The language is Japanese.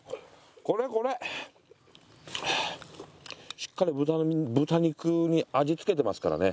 しっかり豚肉に味付けてますからね。